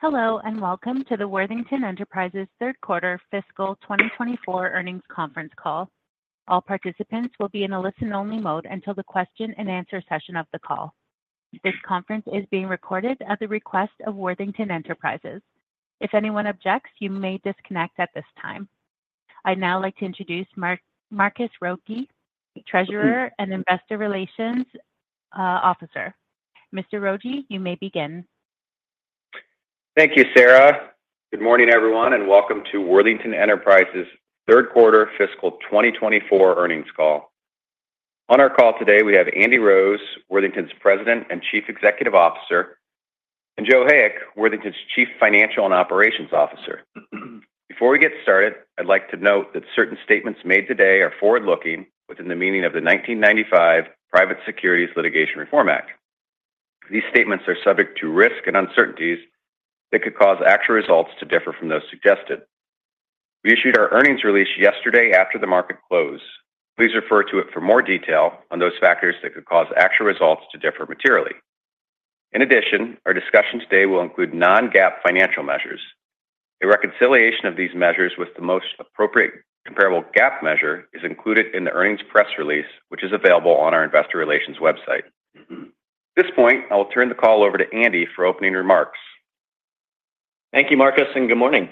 Hello and welcome to the Worthington Enterprises third-quarter fiscal 2024 earnings conference call. All participants will be in a listen-only mode until the question-and-answer session of the call. This conference is being recorded at the request of Worthington Enterprises. If anyone objects, you may disconnect at this time. I'd now like to introduce Marcus Rogier, Treasurer and Investor Relations Officer. Mr. Rogier, you may begin. Thank you, Sarah. Good morning, everyone, and welcome to Worthington Enterprises third-quarter fiscal 2024 earnings call. On our call today, we have Andy Rose, Worthington's President and Chief Executive Officer, and Joe Hayek, Worthington's Chief Financial and Operations Officer. Before we get started, I'd like to note that certain statements made today are forward-looking within the meaning of the 1995 Private Securities Litigation Reform Act. These statements are subject to risk and uncertainties that could cause actual results to differ from those suggested. We issued our earnings release yesterday after the market closed. Please refer to it for more detail on those factors that could cause actual results to differ materially. In addition, our discussion today will include non-GAAP financial measures. A reconciliation of these measures with the most appropriate comparable GAAP measure is included in the earnings press release, which is available on our Investor Relations website. At this point, I will turn the call over to Andy for opening remarks. Thank you, Marcus, and good morning.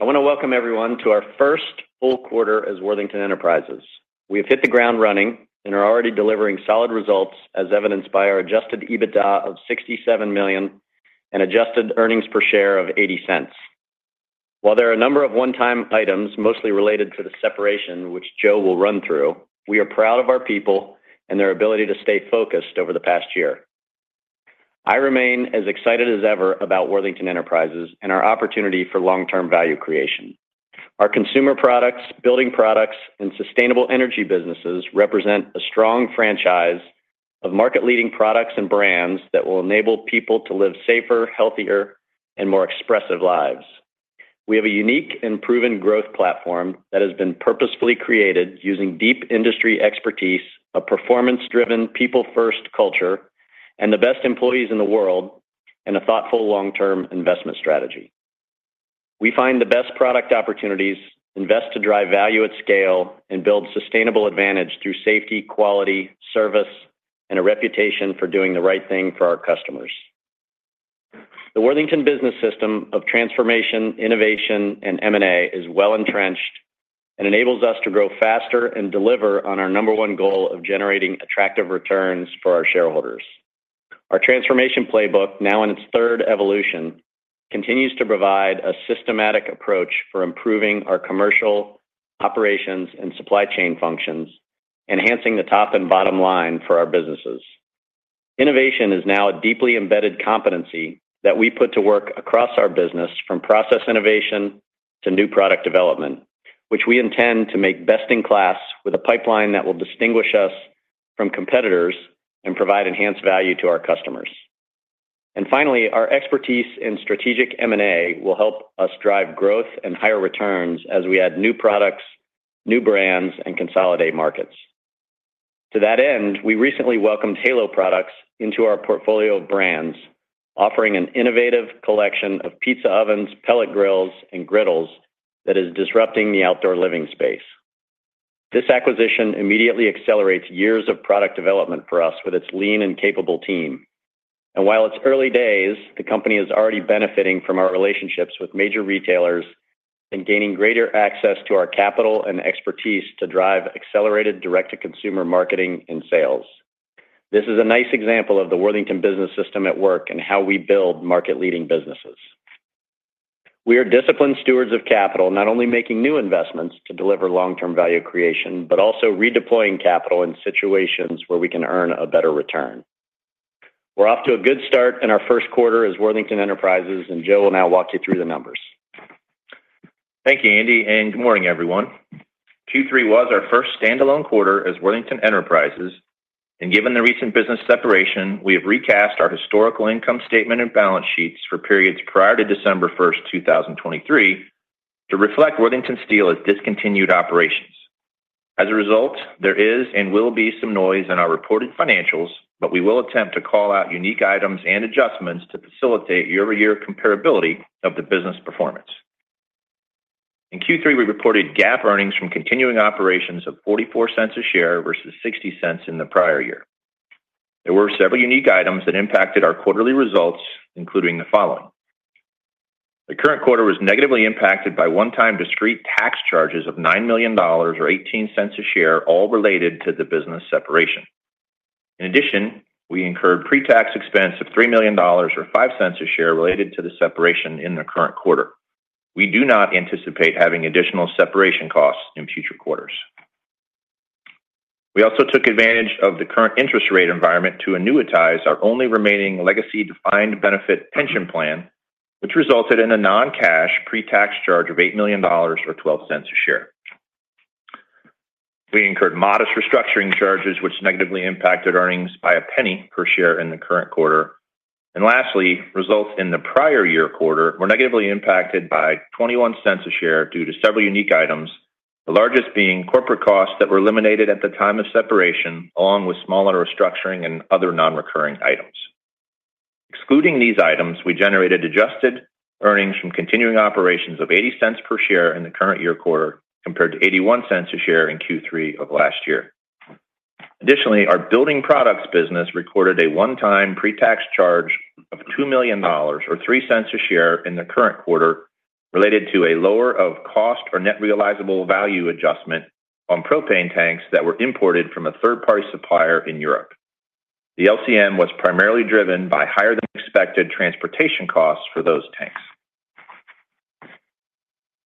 I want to welcome everyone to our first full quarter as Worthington Enterprises. We have hit the ground running and are already delivering solid results, as evidenced by our adjusted EBITDA of $67 million and adjusted earnings per share of $0.80. While there are a number of one-time items mostly related to the separation, which Joe will run through, we are proud of our people and their ability to stay focused over the past year. I remain as excited as ever about Worthington Enterprises and our opportunity for long-term value creation. Our consumer products, building products, and sustainable energy businesses represent a strong franchise of market-leading products and brands that will enable people to live safer, healthier, and more expressive lives. We have a unique and proven growth platform that has been purposefully created using deep industry expertise, a performance-driven, people-first culture, and the best employees in the world, and a thoughtful long-term investment strategy. We find the best product opportunities, invest to drive value at scale, and build sustainable advantage through safety, quality, service, and a reputation for doing the right thing for our customers. The Worthington business system of transformation, innovation, and M&A is well-entrenched and enables us to grow faster and deliver on our number one goal of generating attractive returns for our shareholders. Our transformation playbook, now in its third evolution, continues to provide a systematic approach for improving our commercial operations and supply chain functions, enhancing the top and bottom line for our businesses. Innovation is now a deeply embedded competency that we put to work across our business from process innovation to new product development, which we intend to make best-in-class with a pipeline that will distinguish us from competitors and provide enhanced value to our customers. And finally, our expertise in strategic M&A will help us drive growth and higher returns as we add new products, new brands, and consolidate markets. To that end, we recently welcomed Halo Products into our portfolio of brands, offering an innovative collection of pizza ovens, pellet grills, and griddles that is disrupting the outdoor living space. This acquisition immediately accelerates years of product development for us with its lean and capable team. And while it's early days, the company is already benefiting from our relationships with major retailers and gaining greater access to our capital and expertise to drive accelerated direct-to-consumer marketing and sales. This is a nice example of the Worthington business system at work and how we build market-leading businesses. We are disciplined stewards of capital, not only making new investments to deliver long-term value creation, but also redeploying capital in situations where we can earn a better return. We're off to a good start in our first quarter as Worthington Enterprises, and Joe will now walk you through the numbers. Thank you, Andy, and good morning, everyone. Q3 was our first standalone quarter as Worthington Enterprises. Given the recent business separation, we have recast our historical income statement and balance sheets for periods prior to December 1st, 2023, to reflect Worthington Steel's discontinued operations. As a result, there is and will be some noise in our reported financials, but we will attempt to call out unique items and adjustments to facilitate year-over-year comparability of the business performance. In Q3, we reported GAAP earnings from continuing operations of $0.44 per share versus $0.60 in the prior year. There were several unique items that impacted our quarterly results, including the following. The current quarter was negatively impacted by one-time discrete tax charges of $9 million or $0.18 per share, all related to the business separation. In addition, we incurred pre-tax expense of $3 million or $0.05 a share related to the separation in the current quarter. We do not anticipate having additional separation costs in future quarters. We also took advantage of the current interest rate environment to annuitize our only remaining legacy defined benefit pension plan, which resulted in a non-cash pre-tax charge of $8 million or $0.12 a share. We incurred modest restructuring charges, which negatively impacted earnings by $0.01 per share in the current quarter. And lastly, results in the prior year quarter were negatively impacted by $0.21 a share due to several unique items, the largest being corporate costs that were eliminated at the time of separation, along with smaller restructuring and other non-recurring items. Excluding these items, we generated adjusted earnings from continuing operations of $0.80 per share in the current year quarter compared to $0.81 per share in Q3 of last year. Additionally, our building products business recorded a one-time pre-tax charge of $2 million or $0.03 per share in the current quarter related to a lower cost or net realizable value adjustment on propane tanks that were imported from a third-party supplier in Europe. The LCM was primarily driven by higher-than-expected transportation costs for those tanks.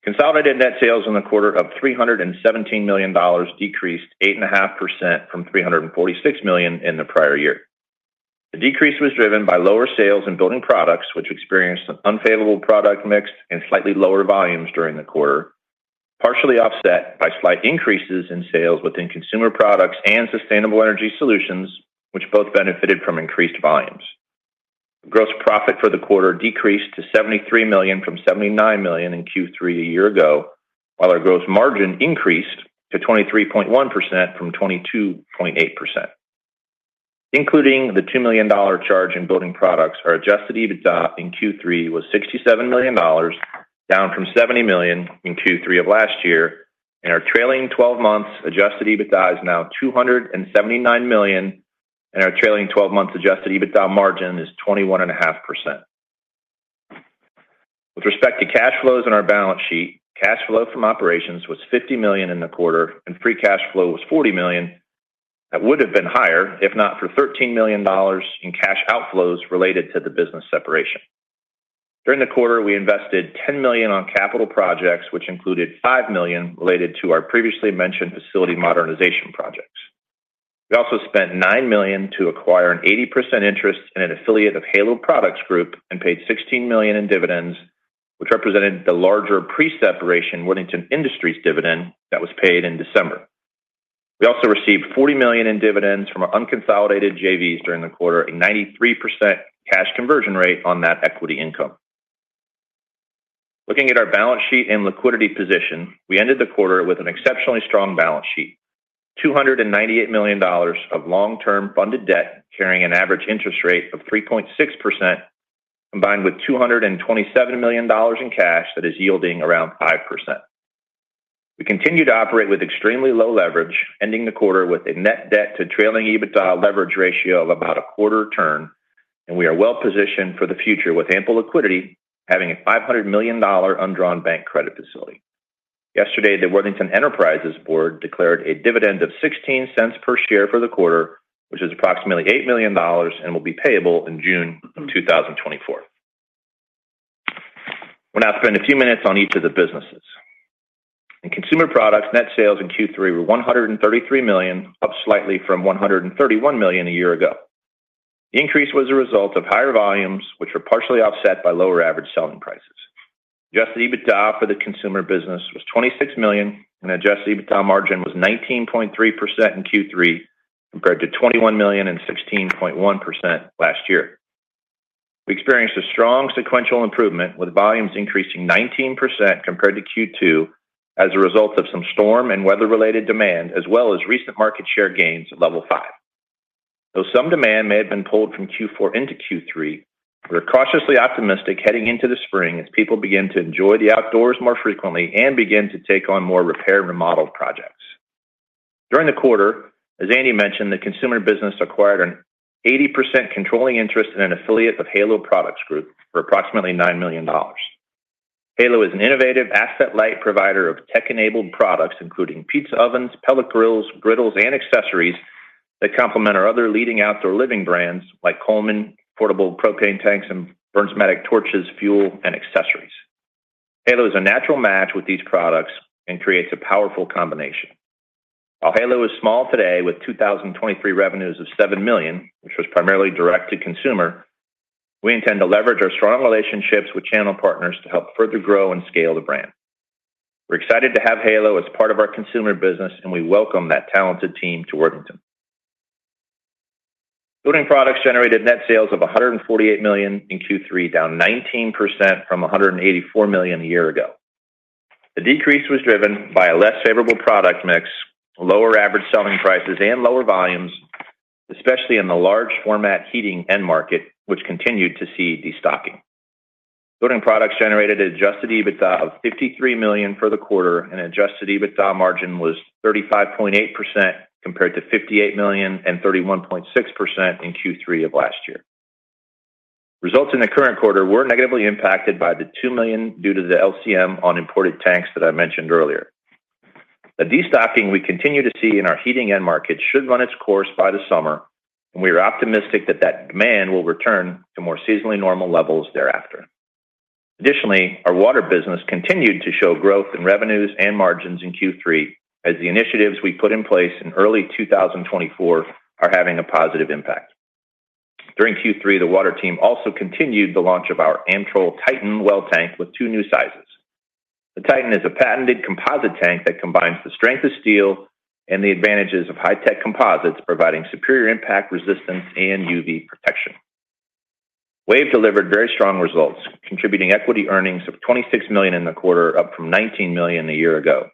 Consolidated net sales in the quarter of $317 million decreased 8.5% from $346 million in the prior year. The decrease was driven by lower sales in building products, which experienced an unfavorable product mix and slightly lower volumes during the quarter, partially offset by slight increases in sales within consumer products and sustainable energy solutions, which both benefited from increased volumes. Gross profit for the quarter decreased to $73 million from $79 million in Q3 a year ago, while our gross margin increased to 23.1% from 22.8%. Including the $2 million charge in building products, our Adjusted EBITDA in Q3 was $67 million, down from $70 million in Q3 of last year. In our trailing 12 months Adjusted EBITDA is now $279 million, and our trailing 12 months Adjusted EBITDA margin is 21.5%. With respect to cash flows in our balance sheet, cash flow from operations was $50 million in the quarter, and free cash flow was $40 million. That would have been higher if not for $13 million in cash outflows related to the business separation. During the quarter, we invested $10 million on capital projects, which included $5 million related to our previously mentioned facility modernization projects. We also spent $9 million to acquire an 80% interest in an affiliate of Halo Products Group and paid $16 million in dividends, which represented the larger pre-separation Worthington Industries dividend that was paid in December. We also received $40 million in dividends from unconsolidated JVs during the quarter, a 93% cash conversion rate on that equity income. Looking at our balance sheet and liquidity position, we ended the quarter with an exceptionally strong balance sheet: $298 million of long-term funded debt carrying an average interest rate of 3.6%, combined with $227 million in cash that is yielding around 5%. We continue to operate with extremely low leverage, ending the quarter with a net debt-to-trailing EBITDA leverage ratio of about a quarter turn. We are well positioned for the future with ample liquidity, having a $500 million undrawn bank credit facility. Yesterday, the Worthington Enterprises Board declared a dividend of $0.16 per share for the quarter, which is approximately $8 million and will be payable in June of 2024. We're going to spend a few minutes on each of the businesses. In consumer products, net sales in Q3 were $133 million, up slightly from $131 million a year ago. The increase was a result of higher volumes, which were partially offset by lower average selling prices. Adjusted EBITDA for the consumer business was $26 million, and adjusted EBITDA margin was 19.3% in Q3 compared to $21 million and 16.1% last year. We experienced a strong sequential improvement with volumes increasing 19% compared to Q2 as a result of some storm and weather-related demand, as well as recent market share gains at Level5. Though some demand may have been pulled from Q4 into Q3, we are cautiously optimistic heading into the spring as people begin to enjoy the outdoors more frequently and begin to take on more repair and remodel projects. During the quarter, as Andy mentioned, the consumer business acquired an 80% controlling interest in an affiliate of Halo Products Group for approximately $9 million. Halo is an innovative asset-light provider of tech-enabled products, including pizza ovens, pellet grills, griddles, and accessories that complement our other leading outdoor living brands like Coleman, portable propane tanks, and Bernzomatic torches, fuel, and accessories. Halo is a natural match with these products and creates a powerful combination. While Halo is small today with 2023 revenues of $7 million, which was primarily direct-to-consumer, we intend to leverage our strong relationships with channel partners to help further grow and scale the brand. We're excited to have HALO as part of our consumer business, and we welcome that talented team to Worthington. Building products generated net sales of $148 million in Q3, down 19% from $184 million a year ago. The decrease was driven by a less favorable product mix, lower average selling prices, and lower volumes, especially in the large-format heating end market, which continued to see destocking. Building products generated an Adjusted EBITDA of $53 million for the quarter, and an adjusted EBITDA margin was 35.8% compared to $58 million and 31.6% in Q3 of last year. Results in the current quarter were negatively impacted by the $2 million due to the LCM on imported tanks that I mentioned earlier. The destocking we continue to see in our heating end market should run its course by the summer, and we are optimistic that that demand will return to more seasonally normal levels thereafter. Additionally, our water business continued to show growth in revenues and margins in Q3 as the initiatives we put in place in early 2024 are having a positive impact. During Q3, the water team also continued the launch of our Amtrol Titan well tank with two new sizes. The Titan is a patented composite tank that combines the strength of steel and the advantages of high-tech composites, providing superior impact resistance and UV protection. WAVE delivered very strong results, contributing equity earnings of $26 million in the quarter, up from $19 million a year ago.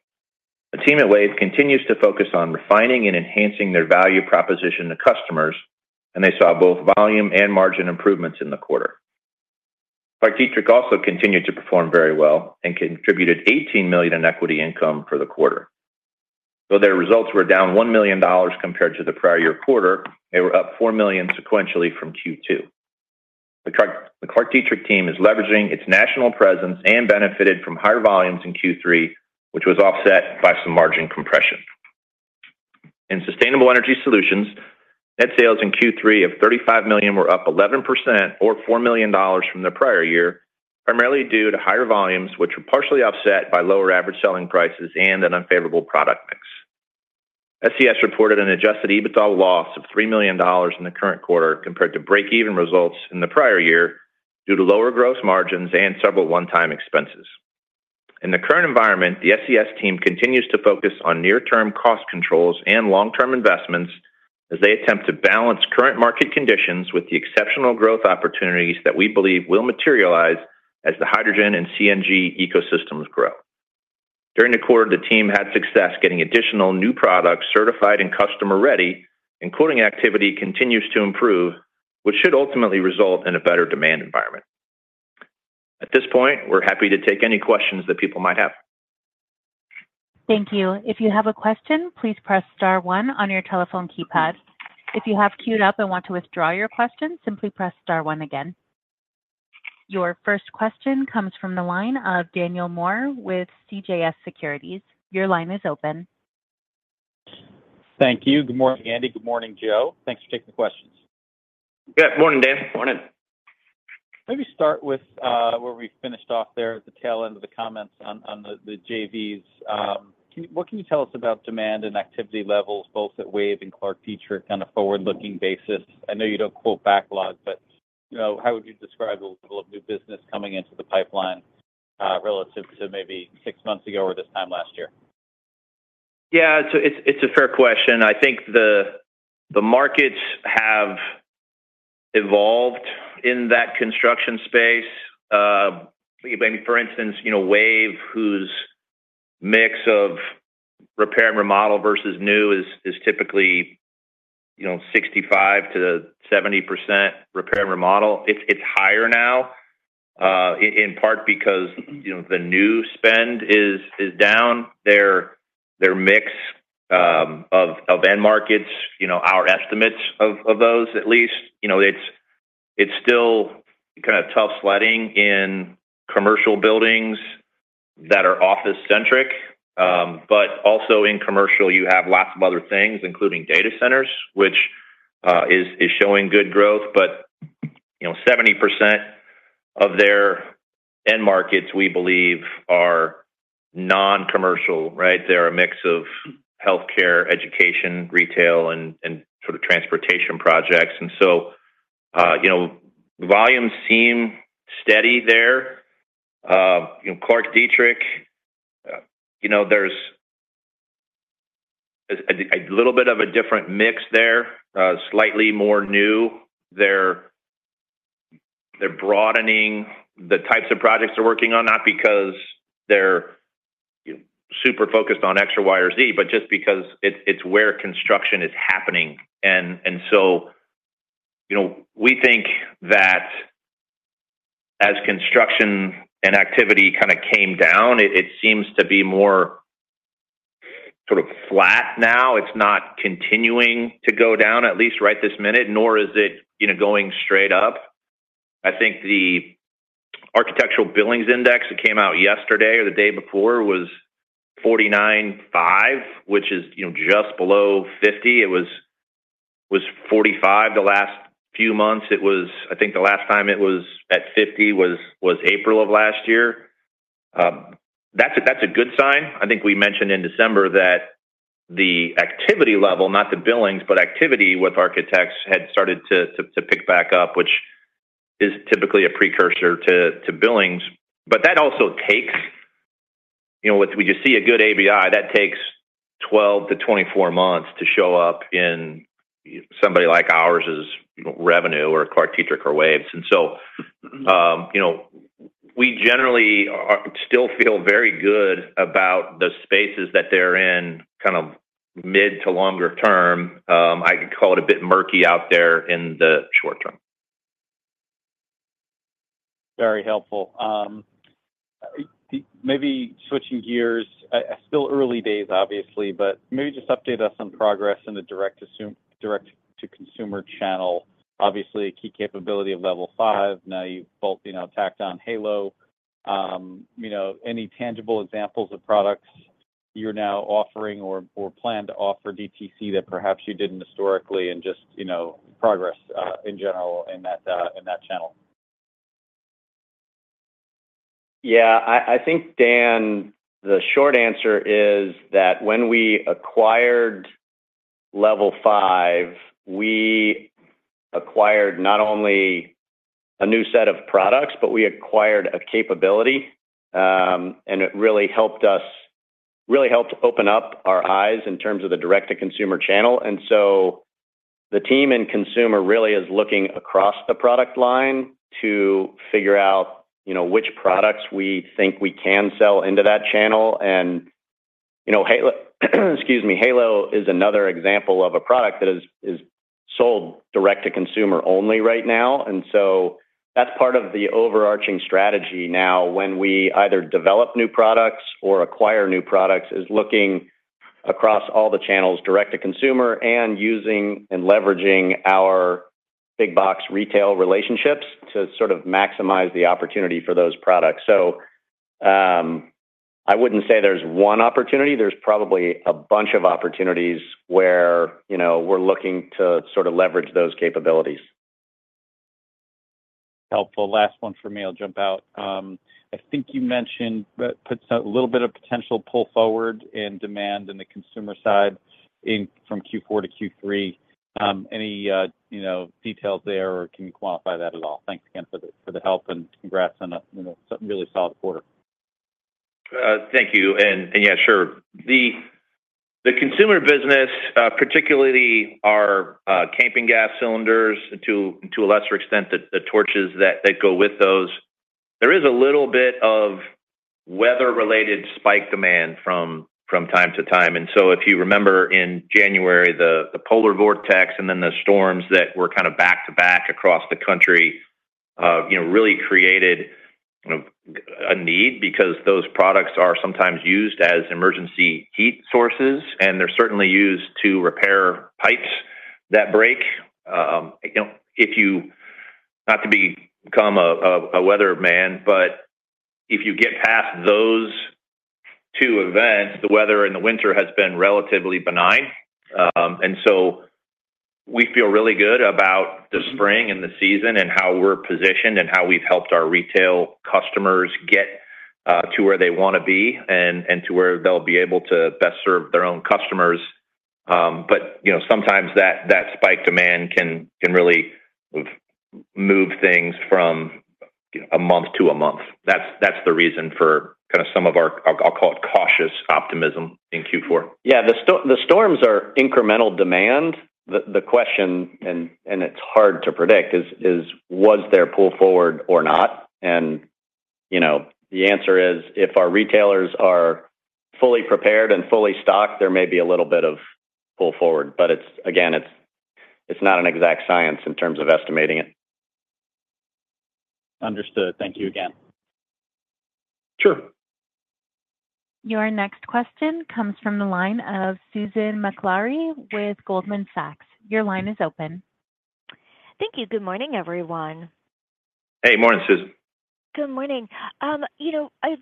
The team at WAVE continues to focus on refining and enhancing their value proposition to customers, and they saw both volume and margin improvements in the quarter. ClarkDietrich also continued to perform very well and contributed $18 million in equity income for the quarter. Though their results were down $1 million compared to the prior year quarter, they were up $4 million sequentially from Q2. The ClarkDietrich team is leveraging its national presence and benefited from higher volumes in Q3, which was offset by some margin compression. In sustainable energy solutions, net sales in Q3 of $35 million were up 11% or $4 million from the prior year, primarily due to higher volumes, which were partially offset by lower average selling prices and an unfavorable product mix. SES reported an Adjusted EBITDA loss of $3 million in the current quarter compared to break-even results in the prior year due to lower gross margins and several one-time expenses. In the current environment, the SES team continues to focus on near-term cost controls and long-term investments as they attempt to balance current market conditions with the exceptional growth opportunities that we believe will materialize as the hydrogen and CNG ecosystems grow. During the quarter, the team had success getting additional new products certified and customer-ready. Including activity continues to improve, which should ultimately result in a better demand environment. At this point, we're happy to take any questions that people might have. Thank you. If you have a question, please press star one on your telephone keypad. If you have queued up and want to withdraw your question, simply press star one again. Your first question comes from the line of Daniel Moore with CJS Securities. Your line is open. Thank you. Good morning, Andy. Good morning, Joe. Thanks for taking the questions. Good morning, Dan. Morning. Maybe start with where we finished off there at the tail end of the comments on the JVs. What can you tell us about demand and activity levels, both at WAVE and ClarkDietrich, on a forward-looking basis? I know you don't quote backlog, but how would you describe the level of new business coming into the pipeline relative to maybe six months ago or this time last year? Yeah, so it's a fair question. I think the markets have evolved in that construction space. For instance, WAVE, whose mix of repair and remodel versus new is typically 65%-70% repair and remodel, it's higher now, in part because the new spend is down. Their mix of end markets, our estimates of those at least, it's still kind of tough sledding in commercial buildings that are office-centric. But also in commercial, you have lots of other things, including data centers, which is showing good growth. But 70% of their end markets, we believe, are non-commercial, right? They're a mix of healthcare, education, retail, and sort of transportation projects. And so volumes seem steady there. ClarkDietrich, there's a little bit of a different mix there, slightly more new. They're broadening the types of projects they're working on, not because they're super focused on X, Y, or Z, but just because it's where construction is happening. So we think that as construction and activity kind of came down, it seems to be more sort of flat now. It's not continuing to go down, at least right this minute, nor is it going straight up. I think the Architectural Billings Index that came out yesterday or the day before was 49.5, which is just below 50. It was 45 the last few months. I think the last time it was at 50 was April of last year. That's a good sign. I think we mentioned in December that the activity level, not the billings, but activity with architects had started to pick back up, which is typically a precursor to billings. But that also takes when you just see a good ABI, that takes 12-24 months to show up in somebody like ours' revenue or ClarkDietrich or WAVE's. And so we generally still feel very good about the spaces that they're in kind of mid to longer term. I could call it a bit murky out there in the short term. Very helpful. Maybe switching gears. Still early days, obviously, but maybe just update us on progress in the direct-to-consumer channel. Obviously, a key capability of Level 5. Now you both tacked on Halo. Any tangible examples of products you're now offering or plan to offer DTC that perhaps you didn't historically and just progress in general in that channel? Yeah. I think, Dan, the short answer is that when we acquired Level5, we acquired not only a new set of products, but we acquired a capability. And it really helped us really helped open up our eyes in terms of the direct-to-consumer channel. And so the team in consumer really is looking across the product line to figure out which products we think we can sell into that channel. And excuse me, HALO is another example of a product that is sold direct-to-consumer only right now. And so that's part of the overarching strategy now when we either develop new products or acquire new products is looking across all the channels direct-to-consumer and using and leveraging our big-box retail relationships to sort of maximize the opportunity for those products. So I wouldn't say there's one opportunity. There's probably a bunch of opportunities where we're looking to sort of leverage those capabilities. Helpful. Last one for me. I'll jump out. I think you mentioned a little bit of potential pull forward in demand in the consumer side from Q4 to Q3. Any details there or can you qualify that at all? Thanks again for the help, and congrats on a really solid quarter. Thank you. And yeah, sure. The consumer business, particularly our camping gas cylinders and to a lesser extent the torches that go with those, there is a little bit of weather-related spike demand from time to time. And so if you remember in January, the Polar Vortex and then the storms that were kind of back-to-back across the country really created a need because those products are sometimes used as emergency heat sources, and they're certainly used to repair pipes that break. Not to become a weatherman, but if you get past those two events, the weather in the winter has been relatively benign. And so we feel really good about the spring and the season and how we're positioned and how we've helped our retail customers get to where they want to be and to where they'll be able to best serve their own customers. But sometimes that spike demand can really move things from a month to a month. That's the reason for kind of some of our, I'll call it, cautious optimism in Q4. Yeah. The storms are incremental demand. The question, and it's hard to predict, is was there pull forward or not? And the answer is if our retailers are fully prepared and fully stocked, there may be a little bit of pull forward. But again, it's not an exact science in terms of estimating it. Understood. Thank you again. Sure. Your next question comes from the line of Susan Maklari with Goldman Sachs. Your line is open. Thank you. Good morning, everyone. Hey, morning, Susan. Good morning. I'd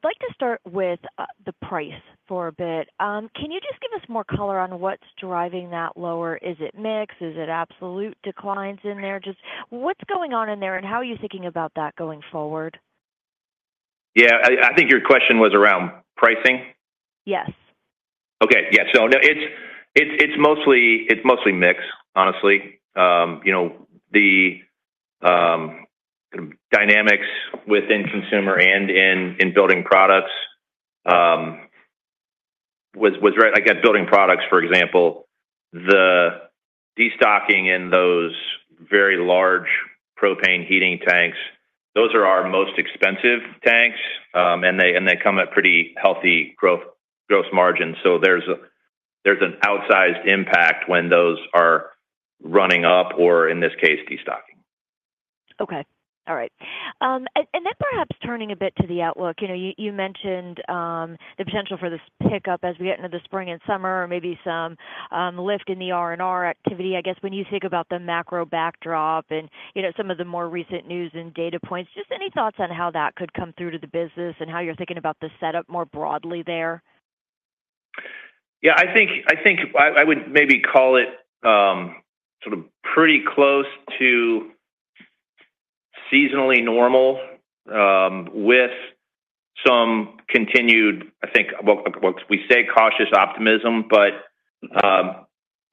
like to start with the price for a bit. Can you just give us more color on what's driving that lower? Is it mixed? Is it absolute declines in there? Just what's going on in there, and how are you thinking about that going forward? Yeah. I think your question was around pricing? Yes. Okay. Yeah. So it's mostly mix, honestly. The dynamics within consumer and in building products was right. Again, building products, for example, the destocking in those very large propane heating tanks, those are our most expensive tanks, and they come at pretty healthy gross margins. So there's an outsized impact when those are running up or, in this case, destocking. Okay. All right. And then perhaps turning a bit to the outlook, you mentioned the potential for this pickup as we get into the spring and summer or maybe some lift in the R&R activity. I guess when you think about the macro backdrop and some of the more recent news and data points, just any thoughts on how that could come through to the business and how you're thinking about the setup more broadly there? Yeah. I think I would maybe call it sort of pretty close to seasonally normal with some continued, I think, we say cautious optimism,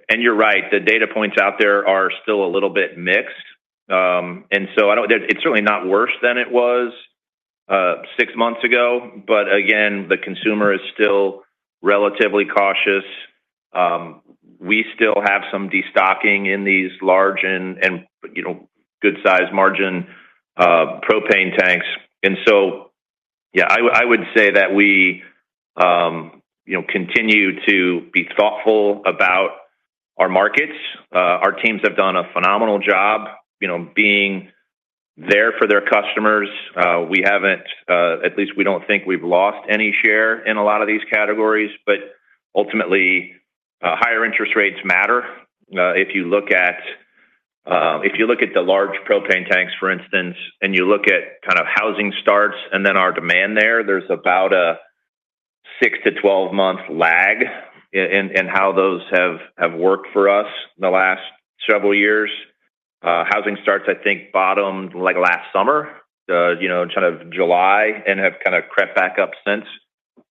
and you're right, the data points out there are still a little bit mixed. And so it's certainly not worse than it was six months ago. But again, the consumer is still relatively cautious. We still have some destocking in these large and good-sized margin propane tanks. And so yeah, I would say that we continue to be thoughtful about our markets. Our teams have done a phenomenal job being there for their customers. At least we don't think we've lost any share in a lot of these categories. But ultimately, higher interest rates matter. If you look at the large propane tanks, for instance, and you look at kind of housing starts and then our demand there, there's about a 6-12-month lag in how those have worked for us the last several years. Housing starts, I think, bottomed last summer, kind of July, and have kind of crept back up since.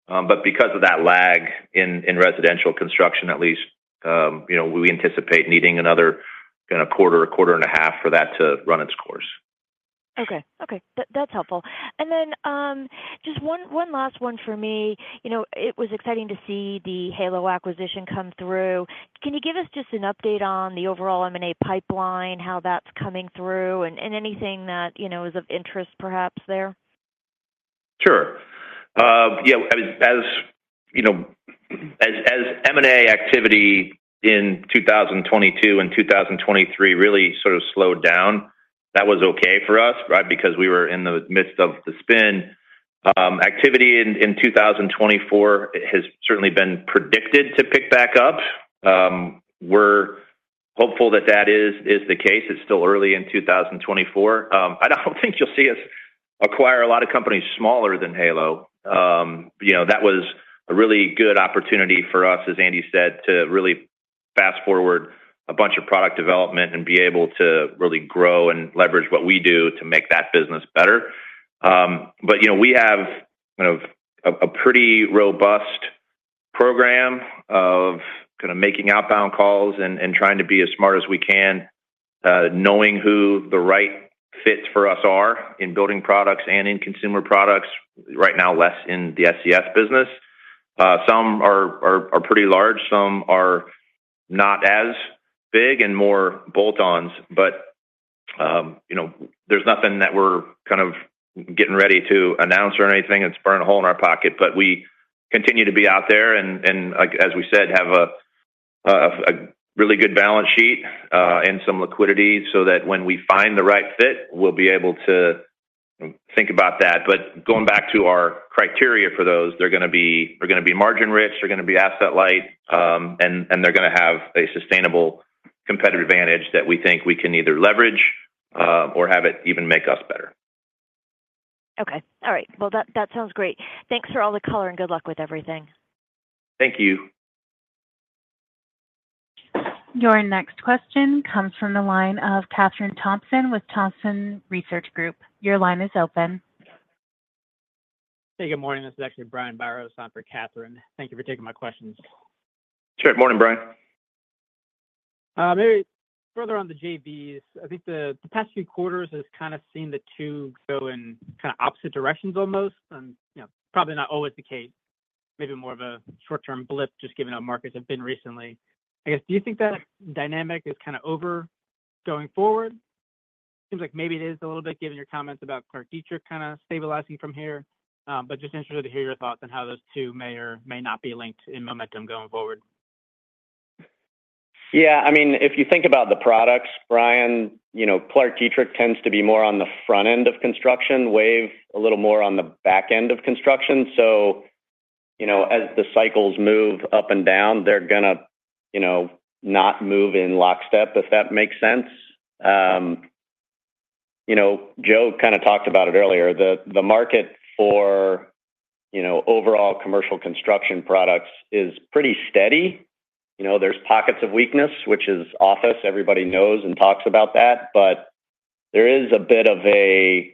But because of that lag in residential construction, at least, we anticipate needing another kind of quarter or quarter and a half for that to run its course. Okay. Okay. That's helpful. And then just one last one for me. It was exciting to see the Halo acquisition come through. Can you give us just an update on the overall M&A pipeline, how that's coming through, and anything that is of interest, perhaps, there? Sure. Yeah. As M&A activity in 2022 and 2023 really sort of slowed down, that was okay for us, right, because we were in the midst of the spin. Activity in 2024 has certainly been predicted to pick back up. We're hopeful that that is the case. It's still early in 2024. I don't think you'll see us acquire a lot of companies smaller than Halo. That was a really good opportunity for us, as Andy said, to really fast forward a bunch of product development and be able to really grow and leverage what we do to make that business better. But we have kind of a pretty robust program of kind of making outbound calls and trying to be as smart as we can, knowing who the right fits for us are in building products and in consumer products, right now less in the SES business. Some are pretty large. Some are not as big and more bolt-ons. But there's nothing that we're kind of getting ready to announce or anything. It's burning a hole in our pocket. But we continue to be out there and, as we said, have a really good balance sheet and some liquidity so that when we find the right fit, we'll be able to think about that. But going back to our criteria for those, they're going to be they're going to be margin-rich. They're going to be asset-light. And they're going to have a sustainable competitive advantage that we think we can either leverage or have it even make us better. Okay. All right. Well, that sounds great. Thanks for all the color and good luck with everything. Thank you. Your next question comes from the line of Catherine Thompson with Thompson Research Group. Your line is open. Hey, good morning. This is actually Brian Biros, standing in for Catherine. Thank you for taking my questions. Sure. Morning, Brian. Maybe further on the JVs, I think the past few quarters has kind of seen the two go in kind of opposite directions almost. Probably not always the case. Maybe more of a short-term blip just given how markets have been recently. I guess, do you think that dynamic is kind of over going forward? Seems like maybe it is a little bit given your comments about ClarkDietrich kind of stabilizing from here. But just interested to hear your thoughts on how those two may or may not be linked in momentum going forward. Yeah. I mean, if you think about the products, Brian, ClarkDietrich tends to be more on the front end of construction, WAVE a little more on the back end of construction. So as the cycles move up and down, they're going to not move in lockstep, if that makes sense. Joe kind of talked about it earlier. The market for overall commercial construction products is pretty steady. There's pockets of weakness, which is office. Everybody knows and talks about that. But there is a bit of a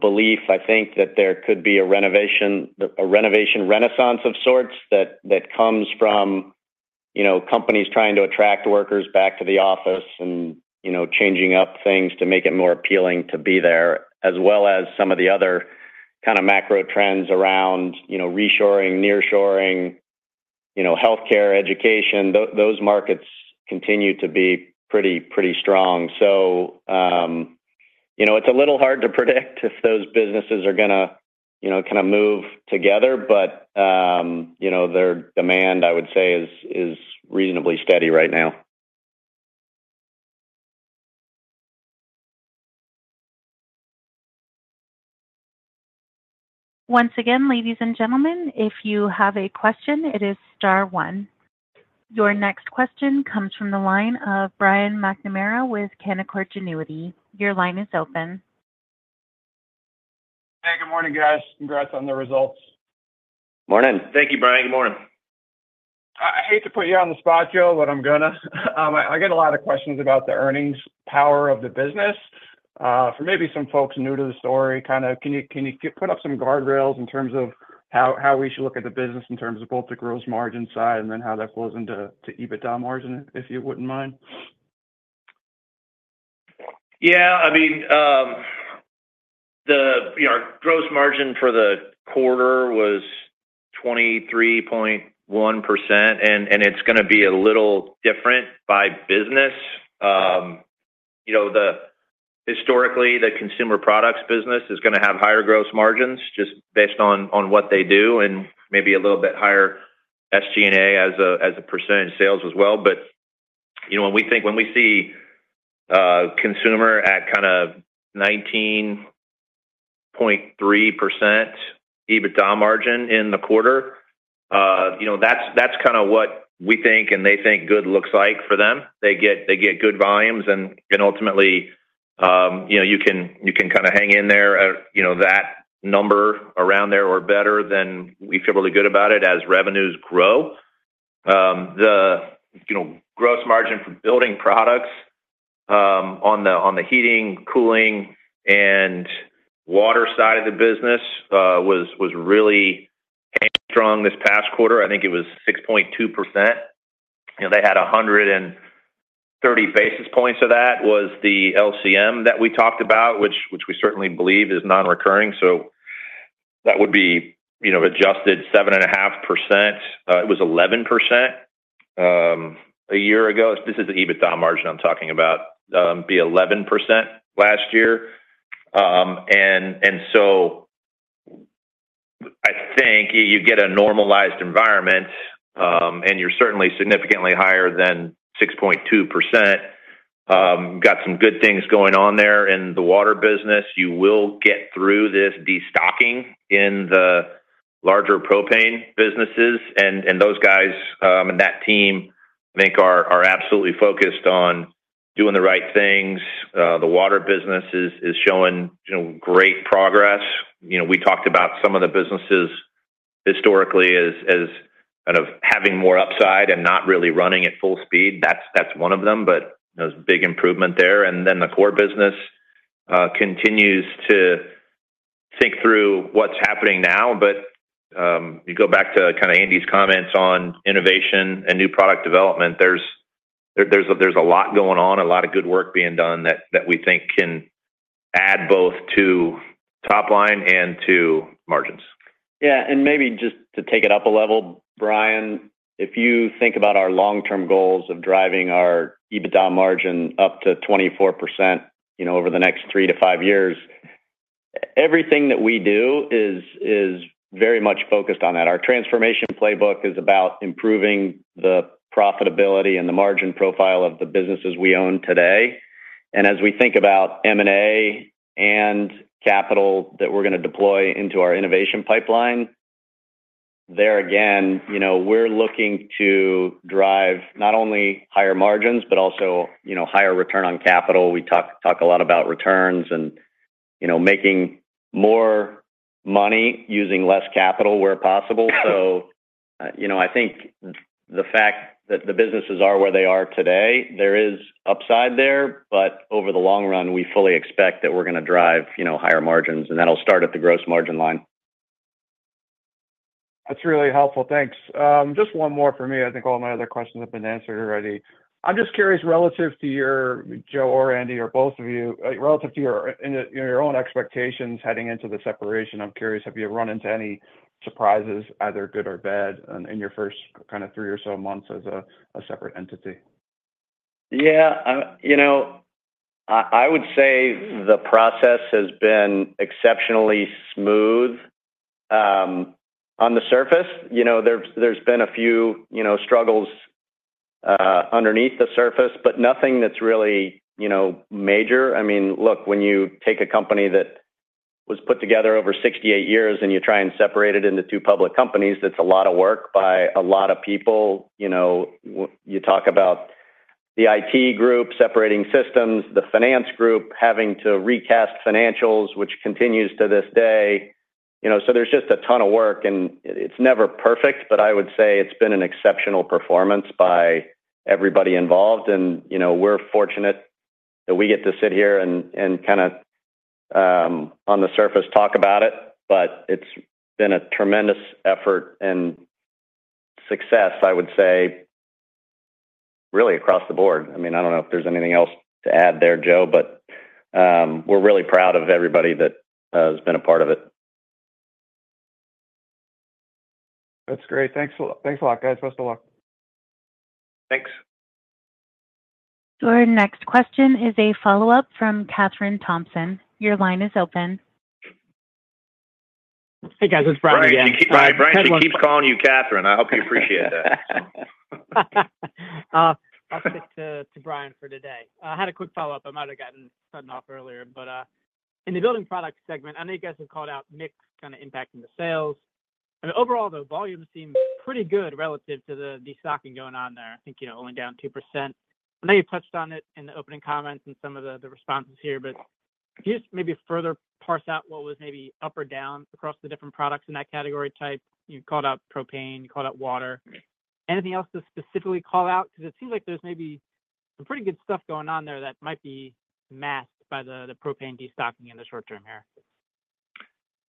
belief, I think, that there could be a renovation renaissance of sorts that comes from companies trying to attract workers back to the office and changing up things to make it more appealing to be there, as well as some of the other kind of macro trends around reshoring, nearshoring, healthcare, education. Those markets continue to be pretty strong. So it's a little hard to predict if those businesses are going to kind of move together, but their demand, I would say, is reasonably steady right now. Once again, ladies and gentlemen, if you have a question, it is star one. Your next question comes from the line of Brian McNamara with Canaccord Genuity. Your line is open. Hey, good morning, guys. Congrats on the results. Morning. Thank you, Brian. Good morning. I hate to put you on the spot, Joe, but I'm going to. I get a lot of questions about the earnings power of the business. For maybe some folks new to the story, kind of can you put up some guardrails in terms of how we should look at the business in terms of both the gross margin side and then how that flows into EBITDA margin, if you wouldn't mind? Yeah. I mean, our gross margin for the quarter was 23.1%, and it's going to be a little different by business. Historically, the consumer products business is going to have higher gross margins just based on what they do and maybe a little bit higher SG&A as a percentage sales as well. But when we see consumer at kind of 19.3% EBITDA margin in the quarter, that's kind of what we think and they think good looks like for them. They get good volumes, and ultimately, you can kind of hang in there at that number around there or better than we feel really good about it as revenues grow. The gross margin for building products on the heating, cooling, and water side of the business was really hanging strong this past quarter. I think it was 6.2%. They had 130 basis points of that. That was the LCM that we talked about, which we certainly believe is non-recurring. So that would be adjusted 7.5%. It was 11% a year ago. This is the EBITDA margin I'm talking about. It was 11% last year. And so I think you get a normalized environment, and you're certainly significantly higher than 6.2%. Got some good things going on there in the water business. You will get through this destocking in the larger propane businesses. And those guys and that team, I think, are absolutely focused on doing the right things. The water business is showing great progress. We talked about some of the businesses historically as kind of having more upside and not really running at full speed. That's one of them, but there's big improvement there. And then the core business continues to think through what's happening now. But you go back to kind of Andy's comments on innovation and new product development, there's a lot going on, a lot of good work being done that we think can add both to top line and to margins. Yeah. And maybe just to take it up a level, Brian, if you think about our long-term goals of driving our EBITDA margin up to 24% over the next three to five years, everything that we do is very much focused on that. Our transformation playbook is about improving the profitability and the margin profile of the businesses we own today. And as we think about M&A and capital that we're going to deploy into our innovation pipeline, there again, we're looking to drive not only higher margins, but also higher return on capital. We talk a lot about returns and making more money using less capital where possible. I think the fact that the businesses are where they are today, there is upside there, but over the long run, we fully expect that we're going to drive higher margins, and that'll start at the gross margin line. That's really helpful. Thanks. Just one more for me. I think all my other questions have been answered already. I'm just curious, relative to your, Joe or Andy, or both of you, relative to your own expectations heading into the separation, I'm curious, have you run into any surprises, either good or bad, in your first kind of three or so months as a separate entity? Yeah. I would say the process has been exceptionally smooth on the surface. There's been a few struggles underneath the surface, but nothing that's really major. I mean, look, when you take a company that was put together over 68 years and you try and separate it into two public companies, that's a lot of work by a lot of people. You talk about the IT group separating systems, the finance group having to recast financials, which continues to this day. So there's just a ton of work, and it's never perfect, but I would say it's been an exceptional performance by everybody involved. We're fortunate that we get to sit here and kind of on the surface talk about it, but it's been a tremendous effort and success, I would say, really across the board. I mean, I don't know if there's anything else to add there, Joe, but we're really proud of everybody that has been a part of it. That's great. Thanks a lot, guys. Best of luck. Thanks. Your next question is a follow-up from Catherine Thompson. Your line is open. Hey, guys. It's Brian again. Brian, I keep calling you Catherine. I hope you appreciate that. I'll stick to Brian for today. I had a quick follow-up. I might have gotten cut off earlier. In the building products segment, I know you guys have called out mixed kind of impact on the sales. I mean, overall, though, volume seems pretty good relative to the destocking going on there. I think only down 2%. I know you touched on it in the opening comments and some of the responses here, but can you just maybe further parse out what was maybe up or down across the different products in that category type? You called out propane. You called out water. Anything else to specifically call out? Because it seems like there's maybe some pretty good stuff going on there that might be masked by the propane destocking in the short term here. Yeah.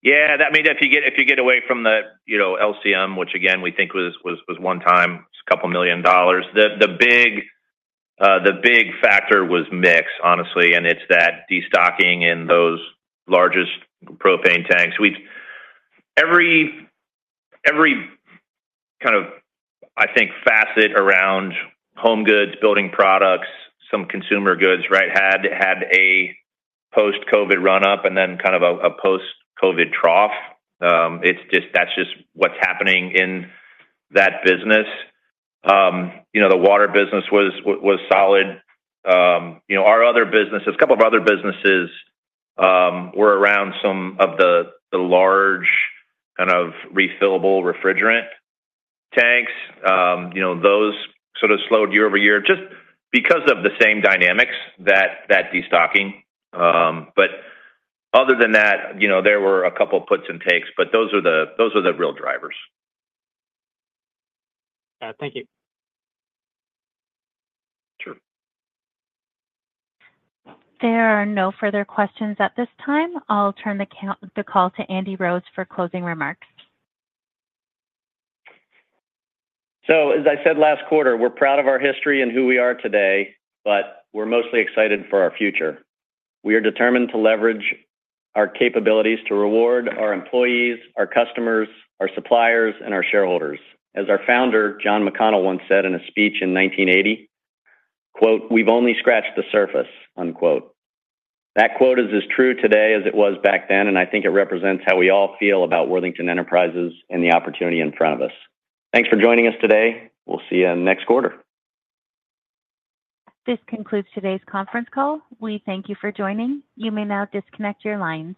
I mean, if you get away from the LCM, which again, we think was one-time, it's a couple of million dollars, the big factor was mix, honestly, and it's that destocking in those largest propane tanks. Every kind of, I think, facet around home goods, building products, some consumer goods, right, had a post-COVID run-up and then kind of a post-COVID trough. That's just what's happening in that business. The water business was solid. Our other businesses, a couple of other businesses, were around some of the large kind of refillable refrigerant tanks. Those sort of slowed year-over-year just because of the same dynamics that destocking. But other than that, there were a couple of puts and takes, but those are the real drivers. Yeah. Thank you. Sure. There are no further questions at this time. I'll turn the call to Andy Rose for closing remarks. So as I said last quarter, we're proud of our history and who we are today, but we're mostly excited for our future. We are determined to leverage our capabilities to reward our employees, our customers, our suppliers, and our shareholders. As our founder, John McConnell, once said in a speech in 1980, "We've only scratched the surface." That quote is as true today as it was back then, and I think it represents how we all feel about Worthington Enterprises and the opportunity in front of us. Thanks for joining us today. We'll see you next quarter. This concludes today's conference call. We thank you for joining. You may now disconnect your lines.